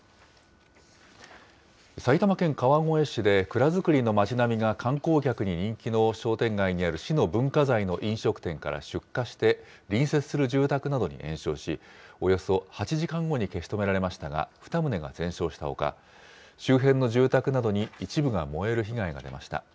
埼玉県川越市で、蔵造りの町並みが観光客に人気の商店街にある市の文化財の飲食店から出火して隣接する住宅などに延焼し、およそ８時間後に消し止められましたが、２棟が全焼したほか、周辺の住宅などに一部が燃える被害が出ました。